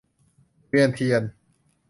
เวียนเทียน